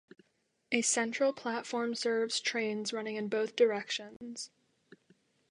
A central platform serves trains running in both directions.